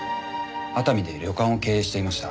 熱海で旅館を経営していました。